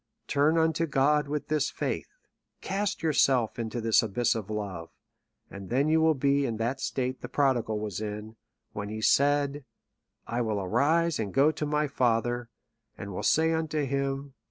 Turn unto God with this faith ; cast yourself into this abyss of love ; and then you will be in that state the prodigal was in, when he said, I will arise and go to my father ; and will say unto him.